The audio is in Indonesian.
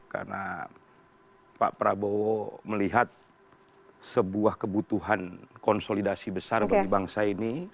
karena pak prabowo melihat sebuah kebutuhan konsolidasi besar bagi bangsa ini